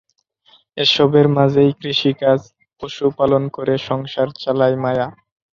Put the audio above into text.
এসবের মাঝেই কৃষিকাজ, পশুপালন করে সংসার চালায় মায়া।